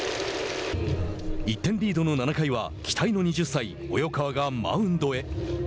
１点リードの７回は期待の２０歳、及川がマウンドへ。